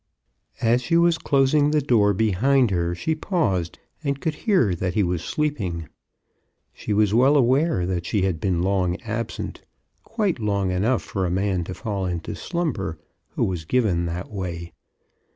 As she was closing the door behind her she paused, and could hear that he was sleeping. She was well aware that she had been long absent — quite long enough for a man to fall into slumber who was given that way.